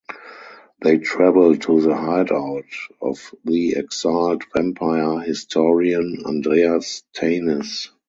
They travel to the hideout of the exiled vampire historian Andreas Tanis.